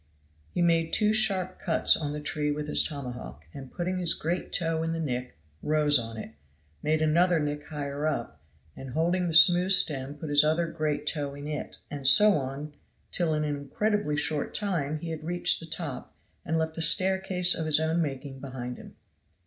He made two sharp cuts on the tree with his tomahawk, and putting his great toe in the nick, rose on it, made another nick higher up, and holding the smooth stem put his other great toe in it, and so on till in an incredibly short time he had reached the top and left a staircase of his own making behind him.